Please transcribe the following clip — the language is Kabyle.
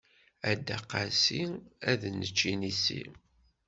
A Dda Qasi ad nečč inisi.